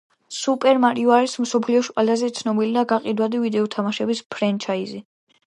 Super Mario არის მსოფლიოში ყველაზე ცნობილი და გაყიდვადი ვიდეო თამაშების ფრენჩაიზი